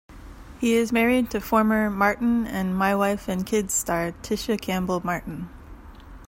He is married to former "Martin" and "My Wife and Kids" star Tisha Campbell-Martin.